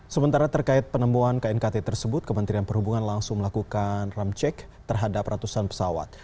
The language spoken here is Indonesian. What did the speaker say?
sementara terkait penemuan knkt tersebut kementerian perhubungan langsung melakukan ramcek terhadap ratusan pesawat